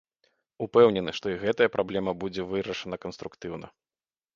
Упэўнены, што і гэтая праблема будзе вырашана канструктыўна.